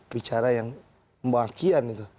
bicara yang membakian itu